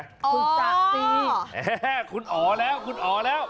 ขึ้นจักซิเห้คุณอ่อแล้ว